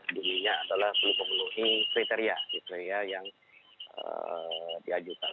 bunyinya adalah seluruh pengeluhi kriteria yang diajukan